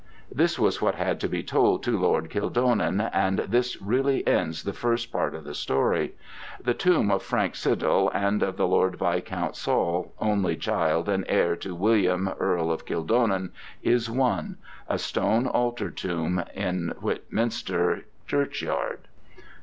This was what had to be told to Lord Kildonan, and this really ends the first part of the story. The tomb of Frank Sydall and of the Lord Viscount Saul, only child and heir to William Earl of Kildonan, is one: a stone altar tomb in Whitminster churchyard.